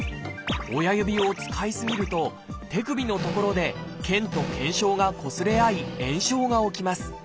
親指を使い過ぎると手首の所で腱と腱鞘がこすれ合い炎症が起きます。